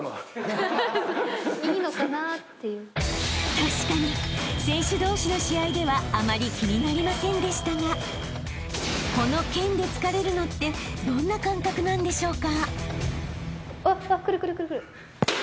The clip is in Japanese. ［確かに選手同士の試合ではあまり気になりませんでしたがこの剣で突かれるのってどんな感覚なんでしょうか？］